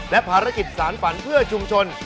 และภารกิจสารฝันเพื่อชุมชน